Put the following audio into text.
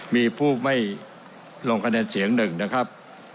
มีผู้ไม่ลงคะแนนเสียงหนึ่งนะครับ